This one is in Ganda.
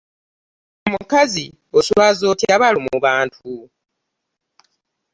Omukazi oswaza otya balo mu bantu!